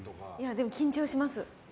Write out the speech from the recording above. でも緊張します。